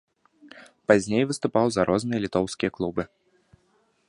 Пазней выступаў за розныя літоўскія клубы.